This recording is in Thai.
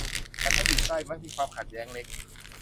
แต่ถ้าอยู่ใกล้มักมีความขัดแย้งเล็ก